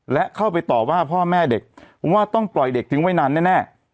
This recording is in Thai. และเข้าไปต่อว่าพ่อแม่เด็กว่าต้องปล่อยเด็กทิ้งไว้นานแน่